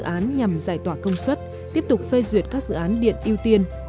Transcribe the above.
dự án nhằm giải tỏa công suất tiếp tục phê duyệt các dự án điện ưu tiên